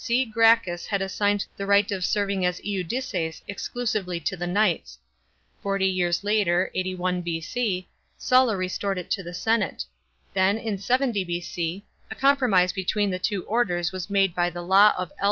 C., C. Gracchus had assigned the right of serving as indices exclusively to the knights ; forty years later (81 B.C.), Sulk restored it to the senat. ; then in 70 B.O., a compromise between the two orders was made by the law of L.